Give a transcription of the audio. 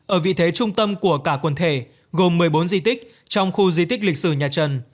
ở vị thế trung tâm của cả quần thể gồm một mươi bốn di tích trong khu di tích lịch sử nhà trần